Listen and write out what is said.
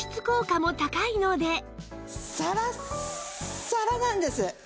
サラッサラなんです。